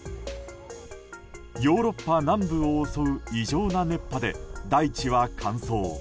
ヨーロッパ南部を襲う異常な熱波で大地は乾燥。